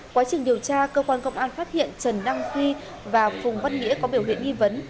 quá trình điều tra cơ quan công an phát hiện trần đăng duy và phùng văn nghĩa có biểu hiện nghi vấn